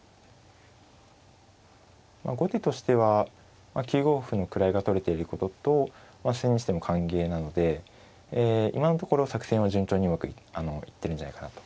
後手としては９五歩の位が取れていることと千日手も歓迎なので今のところ作戦は順調にうまくいってるんじゃないかなと。